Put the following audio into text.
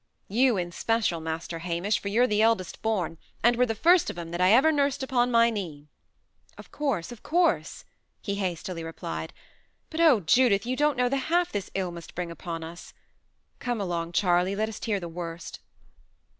You, in special, Master Hamish, for you're the eldest born, and were the first of 'em that I ever nursed upon my knee." "Of course of course," he hastily replied. "But, oh, Judith! you don't know half the ill this must bring upon us! Come along, Charley; let us hear the worst."